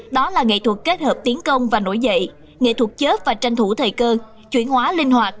đó là nghệ thuật kết hợp tiến công và nổi dậy nghệ thuật chớp và tranh thủ thời cơ chuyển hóa linh hoạt